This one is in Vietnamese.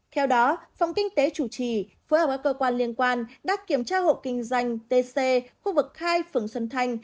theo đó phòng kinh tế chủ trì phối hợp với cơ quan liên quan đã kiểm tra hộ kinh doanh tc khu vực hai phường xuân thanh